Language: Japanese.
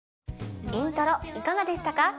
『イントロ』いかがでしたか？